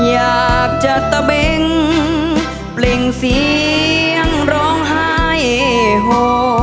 อยากจะตะเบงเปล่งเสียงร้องไห้โฮ